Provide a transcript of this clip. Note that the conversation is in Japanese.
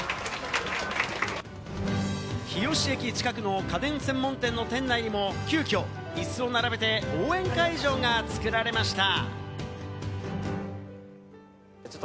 日吉駅近くの家電専門店の店内にも、急きょイスを並べて、応援会場が作られました。